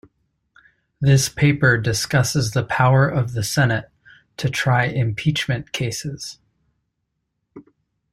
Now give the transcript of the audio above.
This paper discusses the power of the Senate to try impeachment cases.